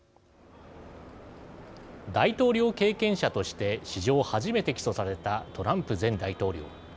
大統領経験者として史上初めて起訴されたトランプ前大統領。